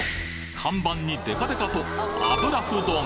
看板にデカデカと「油麩丼」